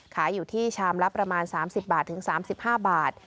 ขายอยู่ที่ชามรับประมาณ๓๐๓๕บาท